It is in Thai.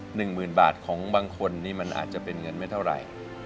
หนึ่งหมื่นบาทของบางคนนี่มันอาจจะเป็นเงินไม่เท่าไหร่